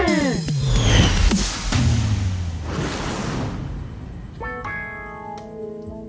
เฮ้ยเฮ้ย